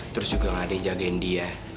terus juga gak ada yang jagen dia